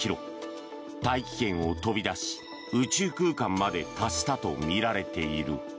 大気圏を飛び出し、宇宙空間まで達したとみられている。